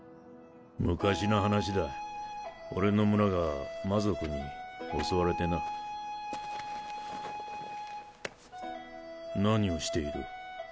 昔の話だ俺の村が魔族に襲何をしている？